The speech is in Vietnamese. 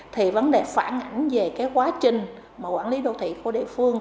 thì vấn đề phản ánh về quá trình quản lý đô thị của địa phương